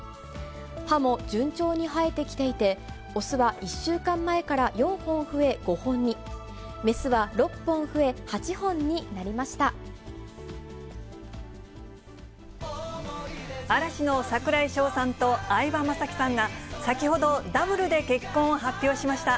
歯も順調に生えてきていて、雄は１週間前から４本増え５本に、嵐の櫻井翔さんと相葉雅紀さんが、先ほどダブルで結婚を発表しました。